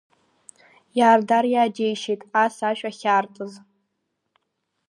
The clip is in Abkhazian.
Иардар иааџьеишьеит ас ашә ахьаартыз.